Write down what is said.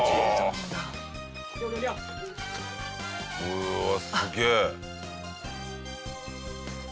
うわあすげえ！